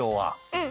うん！